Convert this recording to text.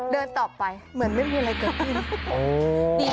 เดินต่อไปเหมือนไม่มีอะไรเกิดขึ้น